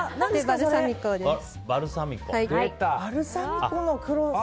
バルサミコの黒さ！